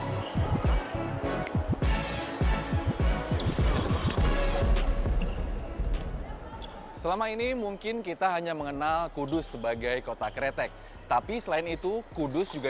hai selama ini mungkin kita hanya mengenal kudus sebagai kota kretek tapi selain itu kudus juga